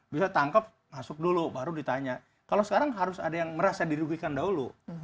bisa tangkap masuk dulu baru ditanya kalau sekarang harus ada yang merasa dirugikan dahulu